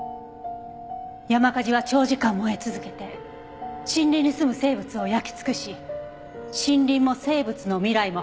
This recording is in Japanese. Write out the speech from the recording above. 山火事は長時間燃え続けて森林にすむ生物を焼き尽くし森林も生物の未来も破滅させるものです。